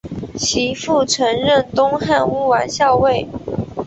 其父曾任东汉乌丸校尉。